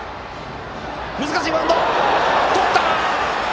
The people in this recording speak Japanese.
難しいバウンドですがとった！